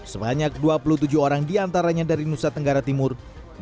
sebanyak dua puluh tujuh orang diantaranya dari nusa tenggara timur